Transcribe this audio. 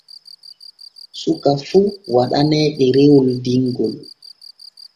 Suka fun waɗaane ɗerewol dingol.